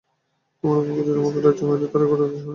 তোমার ভাই বুঝি তোমাকে রাজ্য হইতে তাড়া করিয়া সন্ন্যাসী করিয়াছে?